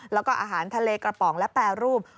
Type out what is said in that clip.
แล้วก็อาหารทะเลกระป๋องและแปรรูป